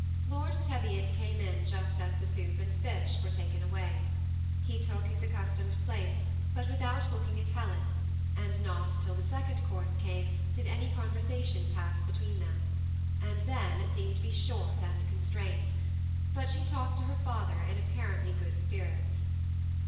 Lord Teviot came in just as the soup and fish were taken away. He took his accustomed place, but without looking at Helen ; and not till the second course came did any conversation pass between them, and then it seemed to be short and constrained ; but she talked to her father in apparently good spirits.